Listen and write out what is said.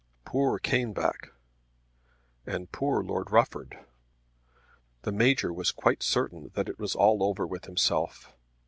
Poor Caneback; and poor Lord Rufford! The Major was quite certain that it was all over with himself.